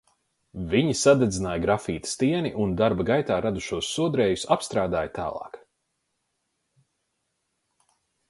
Viņi sadedzināja grafīta stieni un darba gaitā radušos sodrējus apstrādāja tālāk.